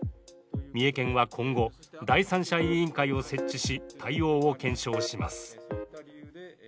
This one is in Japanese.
三重県は今後、第三者委員会を設置し、対応を検証します。